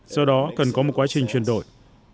do đó cần có một quá trình chuyển đổi